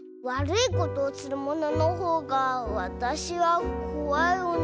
わるいことをするもののほうがわたしはこわい